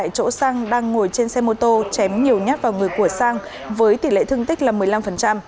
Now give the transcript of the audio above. tại chỗ sang đang ngồi trên xe mô tô chém nhiều nhát vào người của sang với tỷ lệ thương tích là một mươi năm